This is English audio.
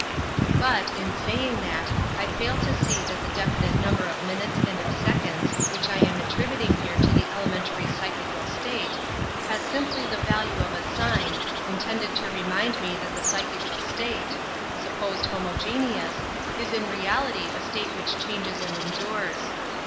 ^"^ But, in saying that, I fail to see that the definite number of minutes and of seconds, which I am attributing here to the elemen tary psychical state, has simply the value of a sign intended to remind me that the psy 46 An Introduction ;eneous, is^^^ chical state, supposed homogein reality a state which changes and endures.